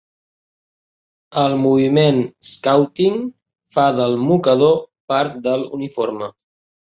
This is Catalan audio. El moviment Scouting fa del mocador part del uniforme.